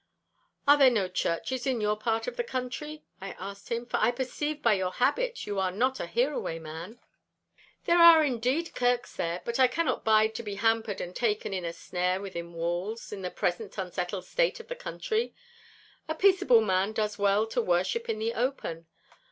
'Are there no churches in your part of the country,' I asked him, 'for I perceive by your habit you are not a hereaway man?' 'There are indeed kirks there, but I cannot bide to be hampered and taken in a snare within walls, in the present unsettled state of the country. A peaceable man does well to worship in the open.